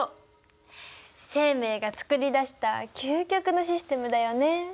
生命が作り出した究極のシステムだよね！